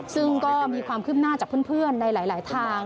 ซึ่งก็มีความคืบหน้าจากเพื่อนในหลายทาง